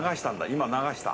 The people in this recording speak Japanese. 今、流した。